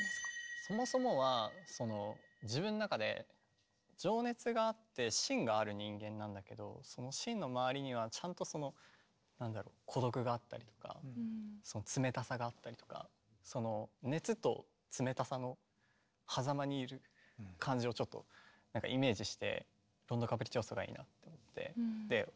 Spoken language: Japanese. そもそもは自分の中で情熱があって芯がある人間なんだけどその芯の周りにはちゃんとそのなんだろう孤独があったりとか冷たさがあったりとか熱と冷たさのはざまにいる感じをちょっとイメージして「ロンド・カプリチオーソ」がいいなって思ってお願いしたんですけど。